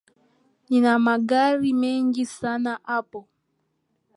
Nina magari mengi sana hapo